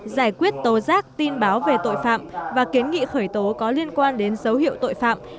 giải quyết tố giác tin báo về tội phạm và kiến nghị khởi tố có liên quan đến dấu hiệu tội phạm